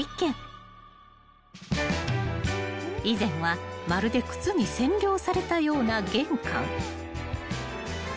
［以前はまるで靴に占領されたような玄関］